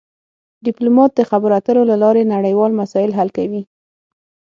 ډیپلومات د خبرو اترو له لارې نړیوال مسایل حل کوي